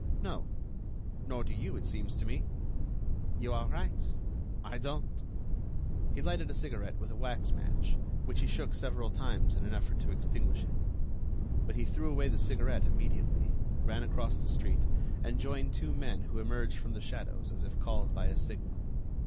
"No. Nor do you, it seems to me." "You are right, I don't." He lighted a cigarette with a wax match, which he shook several times in an effort to extinguish it. But he threw away the cigarette immediately, ran across the street, and joined two men who emerged from the shadows as if called by a signal.